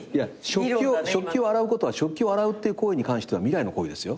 いや食器を洗うっていう行為に関しては未来の行為ですよ。